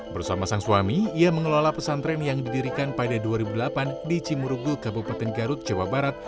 bersama sang suami ia mengelola pesantren yang didirikan pada dua ribu delapan di cimurugul kabupaten garut jawa barat